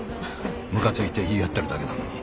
ムカついて言い合ってるだけなのに。